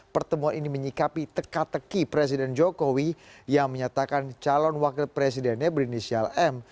pertemuan ini menyikapi teka teki presiden jokowi yang menyatakan calon wakil presidennya berinisial m